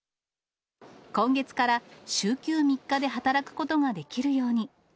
今月から週休３日で働くことができるように。